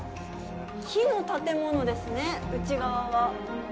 木の建物ですね、内側は。